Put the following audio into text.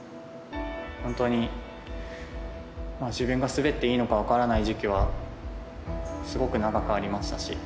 本当に自分が滑っていいのか分からない時期はすごく長くありまし